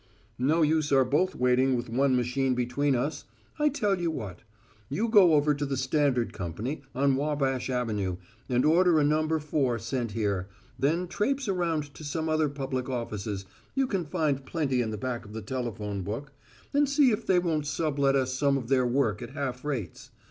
"No use our both waiting with one machine between us. I tell you what you go over to the Standard Company, on Wabash Avenue, and order a number four sent here, then traipse around to some other public offices you can find plenty in the back of the telephone book and see if they won't sublet us some of their work at half rates.